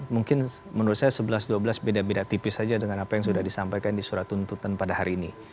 mungkin menurut saya sebelas dua belas beda beda tipis saja dengan apa yang sudah disampaikan di surat tuntutan pada hari ini